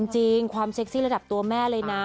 จริงความเซ็กซี่ระดับตัวแม่เลยนะ